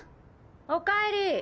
おかえり。